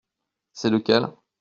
C’est lequel ?